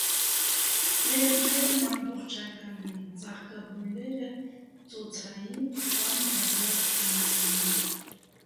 Տերևներն ամբողջական են, ծաղկաբույլերը ծոցային կամ գագաթնային են։